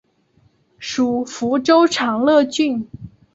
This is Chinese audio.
属福州长乐郡。